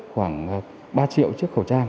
khoảng ba triệu chiếc khẩu trang